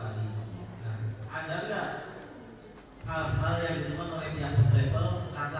ada gak hal hal yang ditemukan oleh diantara striper kata kata yang harus saudara ucapkan